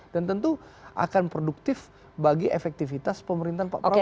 dan tentu akan produktif bagi efektivitas pemerintahan pak prabowo